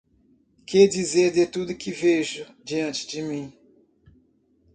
Que dizer de tudo que vejo diante de mim?